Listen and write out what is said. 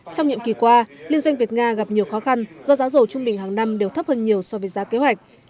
trong nhiệm kỳ qua liên doanh việt nga gặp nhiều khó khăn do giá dầu trung bình hàng năm đều thấp hơn nhiều so với giá kế hoạch